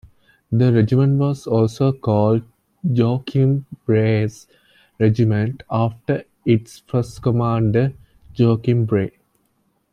The regiment was also called Joakim Brahes regemente after its first commander Joakim Brahe.